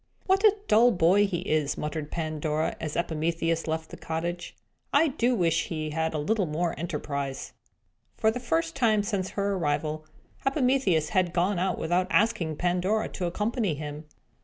"What a dull boy he is!" muttered Pandora, as Epimetheus left the cottage. "I do wish he had a little more enterprise!" For the first time since her arrival, Epimetheus had gone out without asking Pandora to accompany him.